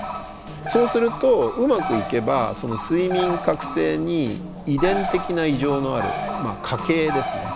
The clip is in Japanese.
そうするとうまくいけば睡眠覚醒に遺伝的な異常のある家系ですね